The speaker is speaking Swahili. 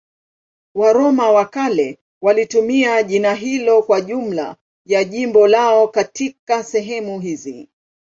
Waroma wa kale walitumia jina hilo kwa jumla ya jimbo lao katika sehemu hizi.